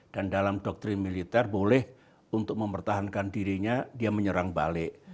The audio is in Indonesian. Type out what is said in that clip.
dan dalam doktrin militer boleh untuk mempertahankan dirinya dia menyerang balik